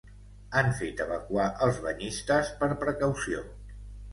Han fet evacuar els banyistes per precaució.